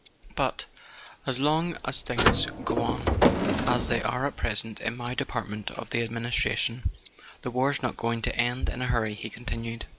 "But, as long as things go on as they are at present in my department of the administration, the war's not going to end in a hurry," he continued.